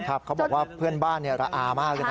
เขาบอกว่าเพื่อนบ้านระอามากเลยนะ